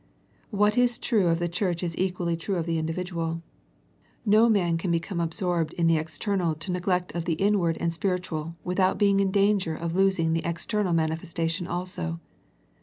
What is true of the Church is equally true of the individual. No man can become absorbed in the external to neglect of the inward and spiritual without being in danger of losing the external manifestation also.